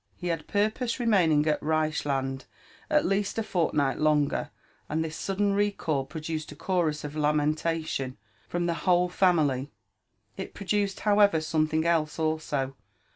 He had purposed remaining at Reichiand at least a fortnight longer, and this sudden recall produced a chorus of lamentation from the whole family. It produced, however, something else also.